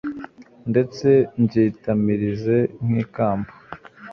ndetse mbyitamirize nk'ikamba